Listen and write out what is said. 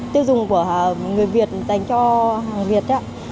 tiêu dùng của người việt dành cho hàng việt